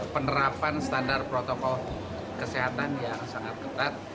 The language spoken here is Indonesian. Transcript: penerapan standar protokol kesehatan yang sangat ketat